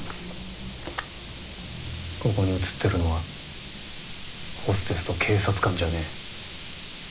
ここに写ってるのはホステスと警察官じゃねえ。